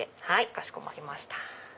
かしこまりました。